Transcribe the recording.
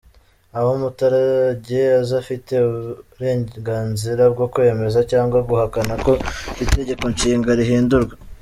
Aho umuturage aza afite uburenganzira bwo kwemeza cyangwa guhakana ko itegekonshinga rihindurwa.